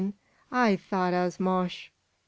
I thought as mosh."